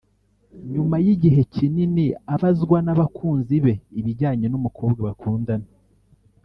nyuma yigihe kinini abazwa n’abakunzi be ibijyanye n’umukobwa bakundana